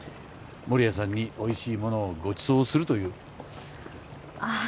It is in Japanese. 守屋さんにおいしいものをごちそうするというあ